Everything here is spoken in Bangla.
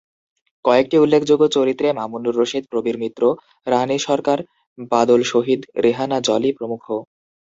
কয়েকটি উল্লেখযোগ্য চরিত্রে মামুনুর রশীদ, প্রবীর মিত্র, রানী সরকার, বাদল শহীদ, রেহানা জলি প্রমুখ।